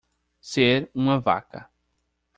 Ser uma vaca